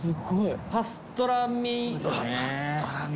パストラミ。